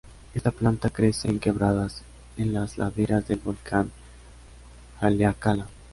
Esta planta crece en quebradas en las laderas del volcán Haleakala.